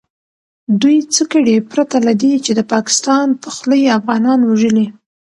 دوئ څه کړي پرته له دې چې د پاکستان په خوله يې افغانان وژلي .